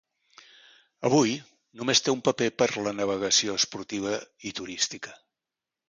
Avui, només té un paper per a la navegació esportiva i turística.